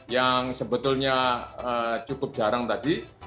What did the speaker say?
yang sebetulnya cukup jarang tadi